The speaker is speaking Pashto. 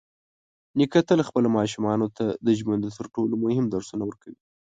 نیکه تل خپلو ماشومانو ته د ژوند تر ټولو مهم درسونه ورکوي.